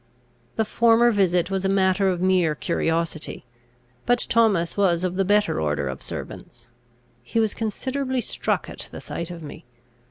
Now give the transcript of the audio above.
The former visit was a matter of mere curiosity; but Thomas was of the better order of servants. He was considerably struck at the sight of me.